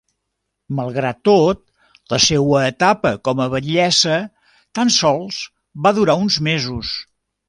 Malgrat tot, la seua etapa com a batllessa tan sols va durar uns mesos.